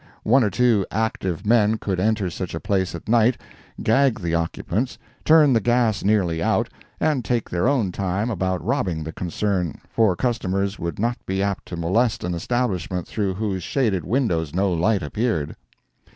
One or two active men could enter such a place at night, gag the occupants, turn the gas nearly out, and take their own time about robbing the concern, for customers would not be apt to molest an establishment through whose shaded windows no light appeared.